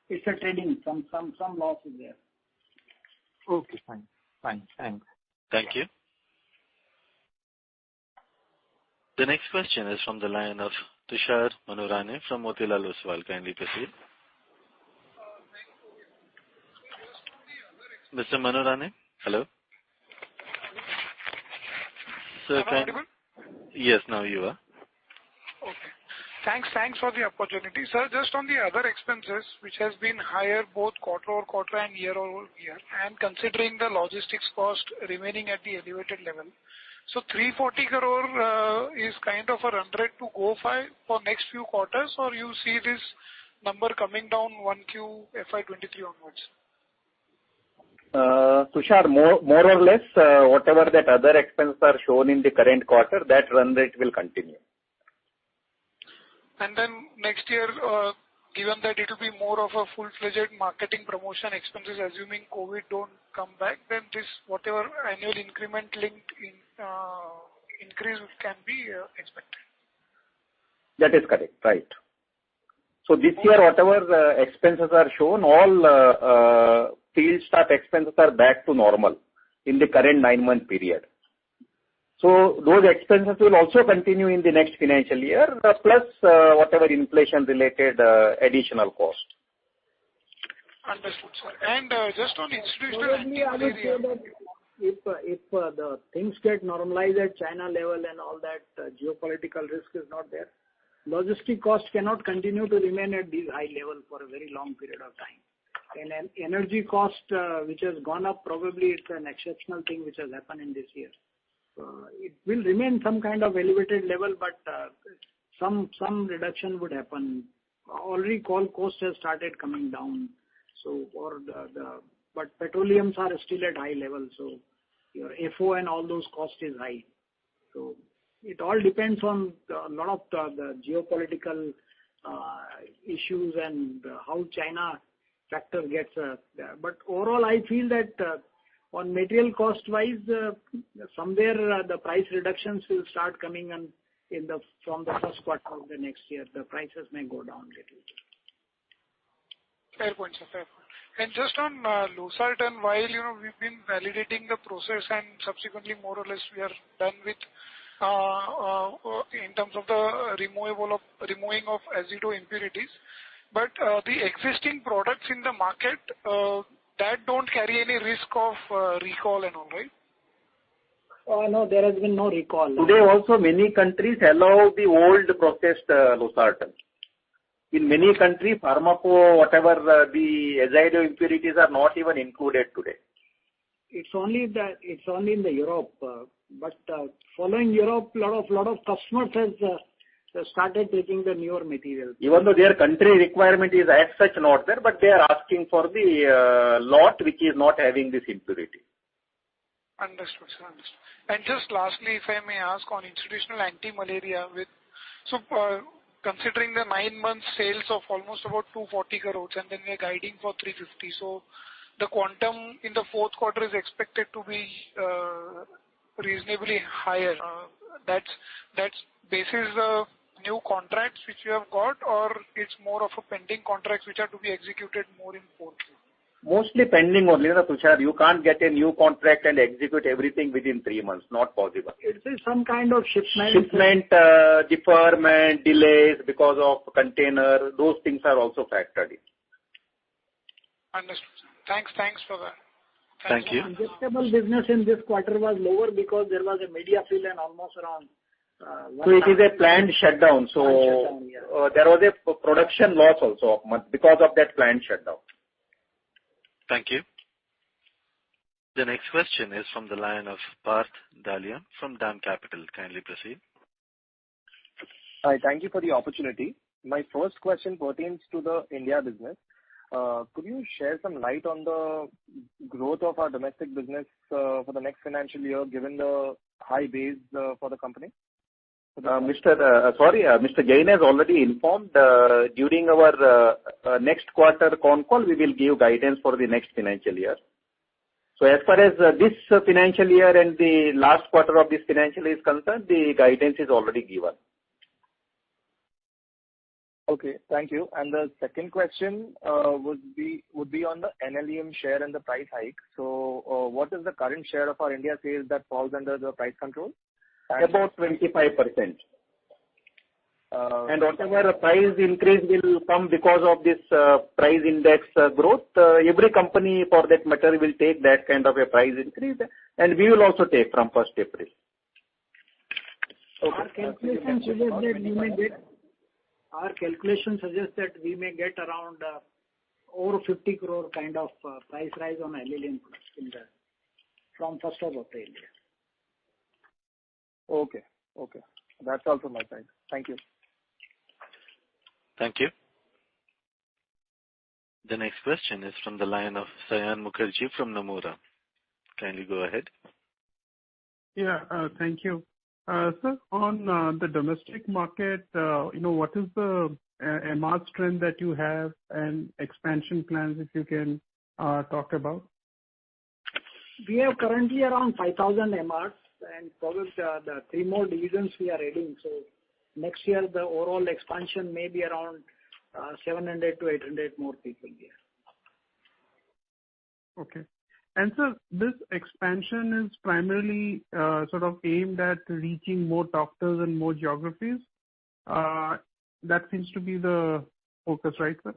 It's a trading, some loss is there. Okay, fine. Thanks. Thank you. The next question is from the line of Tushar Manudhane from Motilal Oswal. Kindly proceed. Mr. Manudhane? Hello. Am I audible? Yes, now you are. Okay. Thanks. Thanks for the opportunity. Sir, just on the other expenses which has been higher both quarter-over-quarter and year-over-year, and considering the logistics cost remaining at the elevated level. 340 crore is kind of a run rate to go by for next few quarters or you see this number coming down Q1, FY 2023 onwards? Tushar, more or less, whatever that other expenses are shown in the current quarter, that run rate will continue. Next year, given that it will be more of a full-fledged marketing promotion expenses assuming COVID don't come back, then this whatever annual increment like an increase can be expected. That is correct. Right. This year, whatever expenses are shown, all field staff expenses are back to normal in the current nine-month period. Those expenses will also continue in the next financial year, plus whatever inflation-related additional cost. Understood, sir. Just on institutional— Moreover, I would say that if the things get normalized at China level and all that geopolitical risk is not there, logistic costs cannot continue to remain at this high level for a very long period of time. An energy cost, which has gone up probably it's an exceptional thing which has happened in this year. It will remain some kind of elevated level but some reduction would happen. Already coal costs has started coming down, so for the. But petroleum is still at high level, so your FO and all those cost is high. It all depends on a lot of the geopolitical issues and how China factor gets there. Overall, I feel that on material cost-wise, from there, the price reductions will start coming and from the first quarter of the next year, the prices may go down little bit. Fair point, sir. Fair point. Just on losartan, while you know we've been validating the process and subsequently more or less we are done with in terms of the removal of azido impurities. The existing products in the market that don't carry any risk of recall and all, right? No, there has been no recall. Today also many countries allow the old processed losartan. In many countries, pharmacopoeia whatever the azido impurities are not even included today. It's only in Europe. Following Europe a lot of customers has started taking the newer material. Even though their country requirement is as such not there, but they are asking for the lot which is not having this impurity. Understood, sir. Understood. Just lastly, if I may ask on institutional anti-malarials. Considering the nine-month sales of almost about 240 crore and then we're guiding for 350 crore, the quantum in the fourth quarter is expected to be reasonably higher. That's basis of new contracts which you have got or it's more of a pending contracts which are to be executed more in fourth quarter? Mostly pending only, Tushar. You can't get a new contract and execute everything within three months, it's not possible. Is there some kind of shipment? Shipment deferment, delays because of container, those things are also factored in. Understood. Thanks. Thanks for the— Thank you. Injectables business in this quarter was lower because there was a media fill and almost around one month. It is a planned shutdown. There was a production loss also of one month because of that planned shutdown. Thank you. The next question is from the line of Parth Dalia from DAM Capital. Kindly proceed. Hi. Thank you for the opportunity. My first question pertains to the India business. Could you shed some light on the growth of our domestic business, for the next financial year given the high base, for the company? Now, Mr. Jain has already informed during our next quarter con call, we will give guidance for the next financial year. As far as this financial year and the last quarter of this financial year is concerned, the guidance is already given. Okay, thank you. The second question would be on the NLEM share and the price hike. What is the current share of our India sales that falls under the price control? About 25%. Whatever price increase will come because of this price index growth, every company for that matter will take that kind of a price increase, and we will also take from first April. Okay. Our calculation suggests that we may get around over 50 crore kind of price rise on NLEM products from first of April. Okay. That's all from my side. Thank you. Thank you. The next question is from the line of Saion Mukherjee from Nomura. Kindly go ahead. Yeah. Thank you. On the domestic market, you know, what is the MR strength that you have and expansion plans, if you can talk about? We are currently around 5,000 MRs and probably the three more divisions we are adding. Next year the overall expansion may be around 700-800 more people, yeah. Okay. This expansion is primarily, sort of aimed at reaching more doctors and more geographies. That seems to be the focus, right, sir?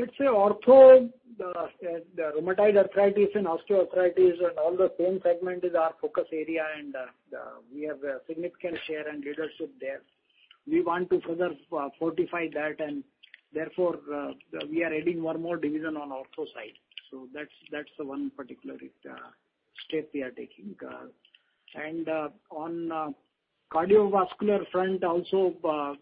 Let's say ortho, the rheumatoid arthritis and osteoarthritis and all the pain segment is our focus area. We have a significant share and leadership there. We want to further fortify that and therefore we are adding one more division on ortho side. That's the one particular step we are taking. On cardiovascular front also, our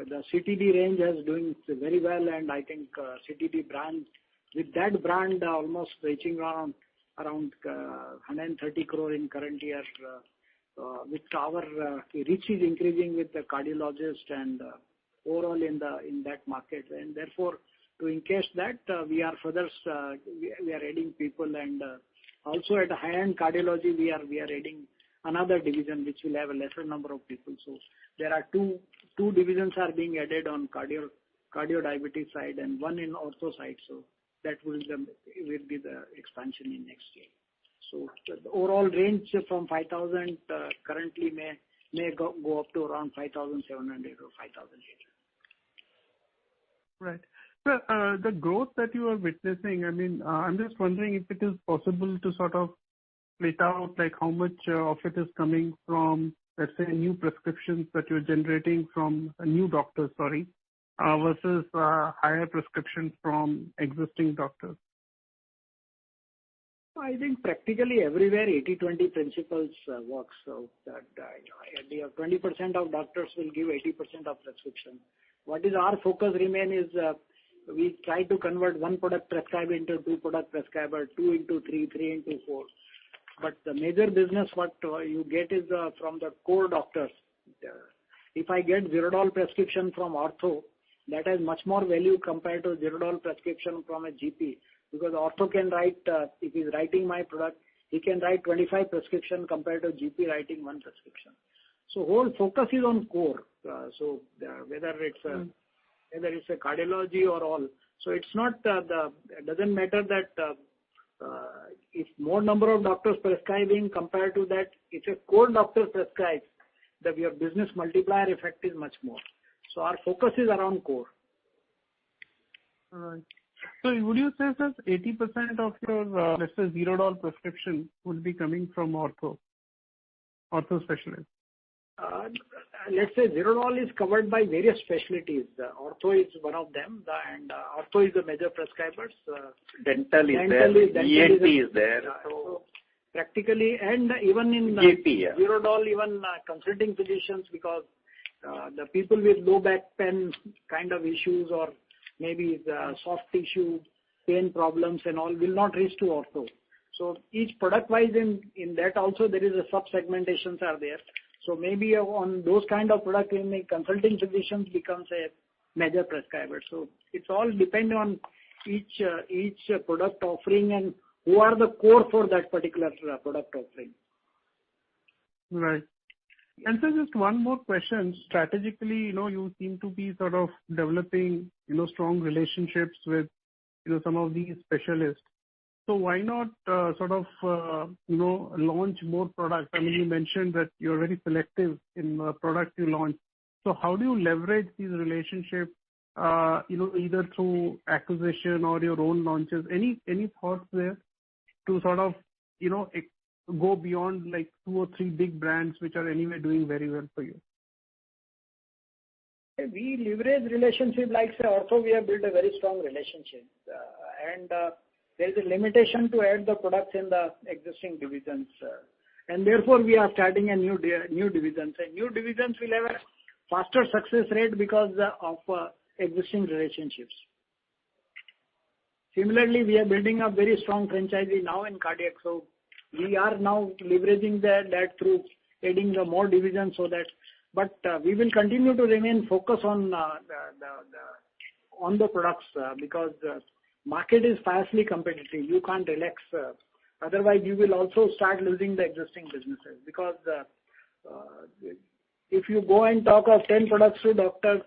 CTD range is doing very well, and I think CTD brand, with that brand almost reaching around 130 crore in current year, with our reach is increasing with the cardiologist and overall in that market. Therefore, to encash that, we are further adding people and also at the high-end cardiology we are adding another division which will have a lesser number of people. There are two divisions being added on cardio-diabetes side and one in ortho side, that will be the expansion in next year. The overall range from 5,000 currently may go up to around 5,700 or 5,800. Right. The growth that you are witnessing, I mean, I'm just wondering if it is possible to sort of split out, like how much of it is coming from, let's say, new prescriptions that you're generating from a new doctor, sorry, versus higher prescriptions from existing doctors. I think practically everywhere 80/20 principles works. That, you know, at the end 20% of doctors will give 80% of prescription. What is our focus remain is, we try to convert one-product prescriber into two-product prescriber, two into three into four. The major business what you get is from the core doctors. If I get Zerodol prescription from ortho, that has much more value compared to Zerodol prescription from a GP, because ortho can write, if he's writing my product, he can write 25 prescription compared to GP writing one prescription. Whole focus is on core. Whether it's a cardiology or all. It's not the—it doesn't matter that if more number of doctors prescribing compared to that if a core doctor prescribes, that your business multiplier effect is much more. Our focus is around core. All right. Would you say, sir, 80% of your, let's say Zerodol prescription would be coming from ortho specialist? Let's say Zerodol is covered by various specialties. Ortho is one of them, and ortho is the major prescribers. Dental is there. Dental is— ENT is there. Practically and even in— AP, yeah. Zerodol even, consulting physicians because the people with low back pain kind of issues or maybe the soft tissue pain problems and all will not reach to ortho. Each product wise in that also there is a sub-segmentations are there. Maybe on those kind of product, we make consulting physicians becomes a major prescriber. It's all depend on each product offering and who are the core for that particular product offering. Right. Just one more question. Strategically, you know, you seem to be sort of developing, you know, strong relationships with, you know, some of these specialists. Why not sort of you know launch more products? I mean, you mentioned that you're very selective in the product you launch. How do you leverage these relationships, you know, either through acquisition or your own launches? Any thoughts there to sort of, you know, go beyond like two or three big brands, which are anyway doing very well for you? We leverage relationship. Like say, ortho we have built a very strong relationship. There is a limitation to add the products in the existing divisions. Therefore we are starting new divisions. New divisions will have a faster success rate because of existing relationships. Similarly, we are building a very strong franchise now in cardiac. We are now leveraging that through adding more divisions so that we will continue to remain focused on the products because the market is fiercely competitive. You can't relax, otherwise you will also start losing the existing businesses. Because if you go and talk of 10 products to doctors,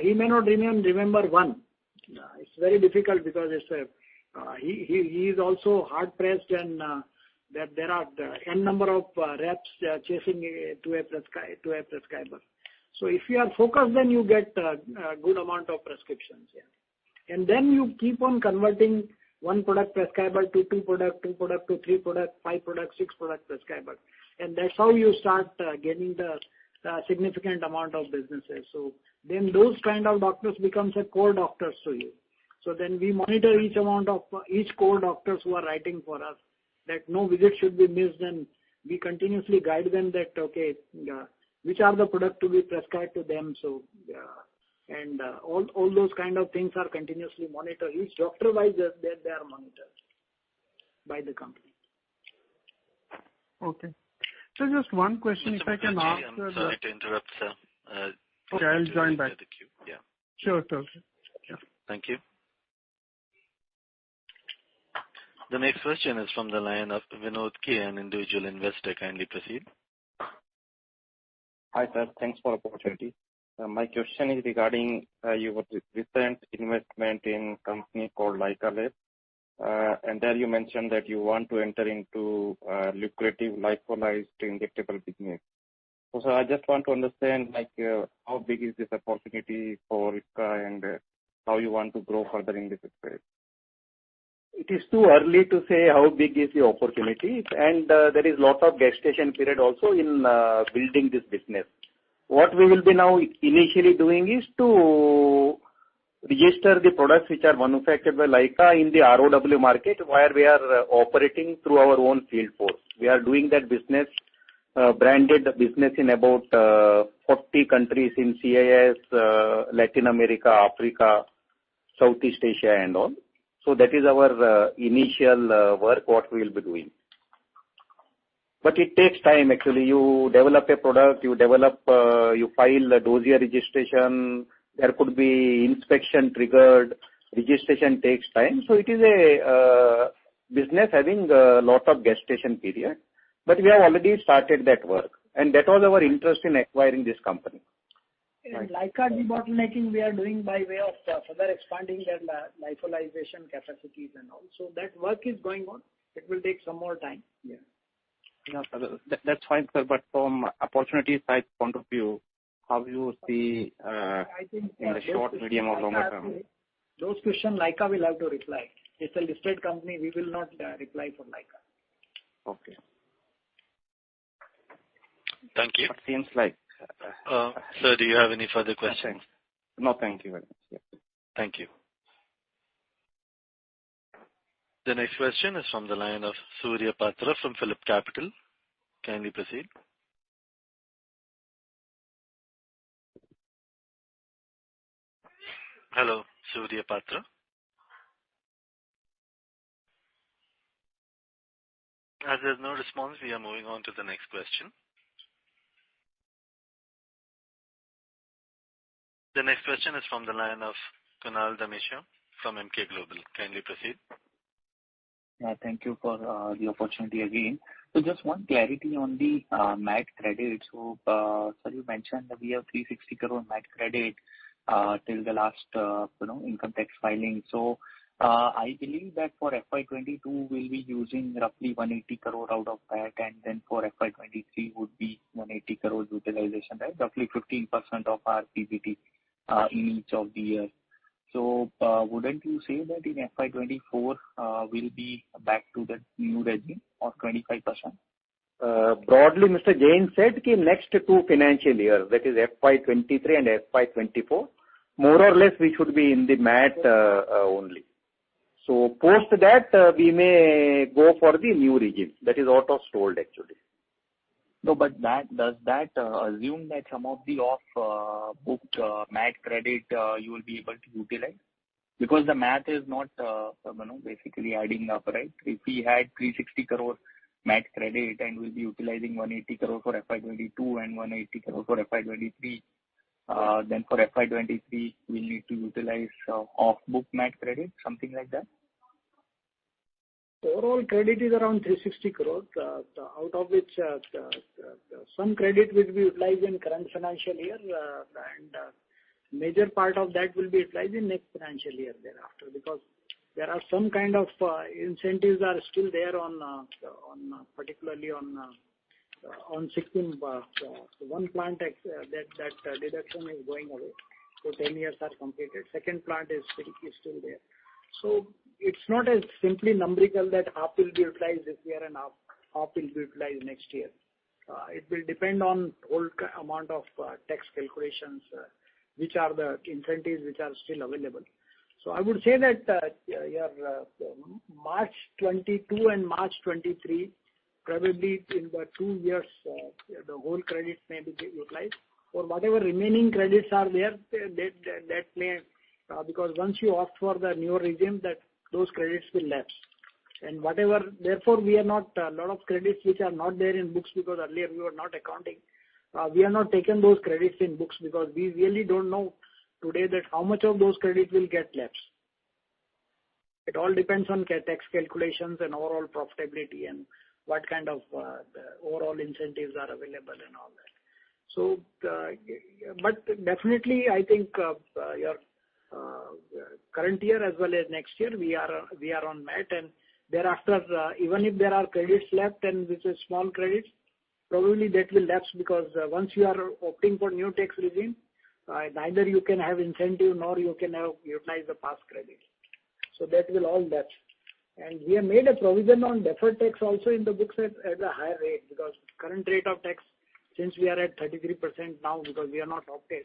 he may not even remember one. It's very difficult because it's, he's also hard-pressed and there are n number of reps chasing to a prescriber. If you are focused, then you get a good amount of prescriptions, yeah. Then you keep on converting one-product prescriber to two-product to three-product, five-product, six-product prescriber. That's how you start getting the significant amount of businesses. Those kind of doctors becomes core doctors to you. We monitor each core doctors who are writing for us, that no visit should be missed, and we continuously guide them that which are the product to be prescribed to them. All those kind of things are continuously monitored. Each doctor-wise, they are monitored by the company. Okay. Sir, just one question, if I can ask— I'm sorry to interrupt, sir. Okay, I'll join back. Continue with the queue. Yeah. Sure, sure, sir. Yeah. Thank you. The next question is from the line of Vinod K, an individual investor. Kindly proceed. Hi, sir. Thanks for the opportunity. My question is regarding your recent investment in company called Lyka Labs. There you mentioned that you want to enter into a lucrative lyophilized injectable business. I just want to understand, like, how big is this opportunity for Ipca and how you want to grow further in this space. It is too early to say how big is the opportunity, and there is a lot of gestation period also in building this business. What we will be now initially doing is to register the products which are manufactured by Lyka in the ROW market, where we are operating through our own field force. We are doing that business, branded business in about 40 countries in CIS, Latin America, Africa, Southeast Asia, and all. That is our initial work, what we'll be doing. It takes time actually. You develop a product, you file a dossier registration. There could be an inspection triggered. Registration takes time. It is a business having a lot of gestation period. We have already started that work, and that was our interest in acquiring this company. In Lyka, the bottlenecking we are doing by way of further expanding their lyophilization capacities and all. That work is going on. It will take some more time. Yeah. Yeah, sir. That's fine, sir. From opportunity side point of view, how you see, in the short, medium, or long term? I think. Those questions, Lyka will have to reply. It's a listed company, we will not reply for Lyka. Okay. Thank you. It seems like— Sir, do you have any further questions? No, thank you very much. Yeah. Thank you. The next question is from the line of Surya Patra from PhillipCapital. Kindly proceed. Hello, Surya Patra. As there's no response, we are moving on to the next question. The next question is from the line of Kunal Dhamesha from Emkay Global. Kindly proceed. Thank you for the opportunity again. Just one clarity on the MAT credit. Sir, you mentioned that we have 360 crore MAT credit till the last you know income tax filing. I believe that for FY 2022, we'll be using roughly 180 crore out of that. For FY 2023 would be 180 crore utilization, right? Roughly 15% of our PBT in each of the year. Wouldn't you say that in FY 2024, we'll be back to the new regime of 25%? Broadly, Mr. Jain said the next two financial years, that is FY 2023 and FY 2024, more or less we should be in the MAT only. Post that, we may go for the new regime. That is what was told, actually. No, does that assume that some of the off-book MAT credit you will be able to utilize? Because the MAT is not, you know, basically adding up, right? If we had 360 crore MAT credit and we'll be utilizing 180 crore for FY 2022 and 180 crore for FY 2023, then for FY 2023 we'll need to utilize off-book MAT credit, something like that? Overall credit is around 360 crore, out of which some credit will be utilized in current financial year, and major part of that will be utilized in next financial year thereafter. There are some kind of incentives that are still there, particularly on certain one plant, that deduction is going away. So 10 years are completed. Second plant is still there. It's not as simply numerical that half will be utilized this year and half will be utilized next year. It will depend on whole amount of tax calculations, which are the incentives that are still available. I would say that your March 2022 and March 2023 probably in the two years the whole credit may be utilized or whatever remaining credits are there, that may because once you opt for the newer regime, those credits will lapse. Whatever therefore, we are not a lot of credits which are not there in books because earlier we were not accounting. We have not taken those credits in books because we really don't know today that how much of those credits will get lapsed. It all depends on tax calculations and overall profitability and what kind of overall incentives are available and all that. Definitely, I think your current year as well as next year we are on MAT. Thereafter, even if there are credits left and which is small credits, probably that will lapse because once you are opting for new tax regime, neither you can have incentive nor you can have utilize the past credits; that will all lapse. We have made a provision on deferred tax also in the books at a higher rate, because current rate of tax, since we are at 33% now because we are not opted,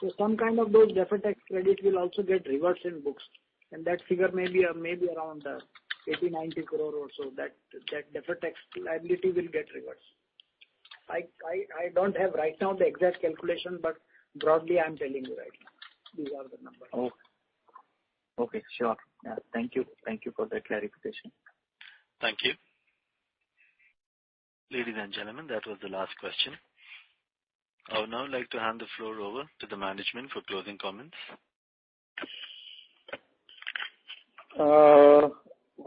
so some kind of those deferred tax credit will also get reversed in books. That figure may be around 80 crore-90 crore or so, that deferred tax liability will get reversed. I don't have right now the exact calculation, but broadly I'm telling you right now, these are the numbers. Oh, okay. Sure. Yeah. Thank you. Thank you for that clarification. Thank you. Ladies and gentlemen, that was the last question. I would now like to hand the floor over to the management for closing comments. We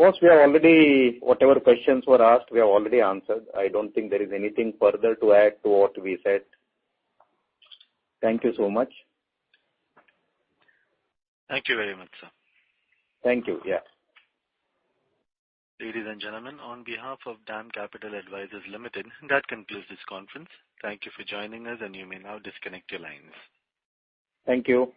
have already—whatever questions were asked, we have already answered. I don't think there is anything further to add to what we said. Thank you so much. Thank you very much, sir. Thank you. Yeah. Ladies and gentlemen, on behalf of DAM Capital Advisors Limited, that concludes this conference. Thank you for joining us, and you may now disconnect your lines. Thank you.